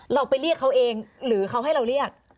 เราไปเรียกเขาเองหรือเขาให้เราเรียก